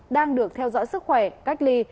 đang được theo dõi sức khỏe cách ly